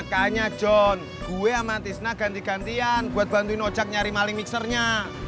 kayaknya lo bantu nocak nyari maling wisarnya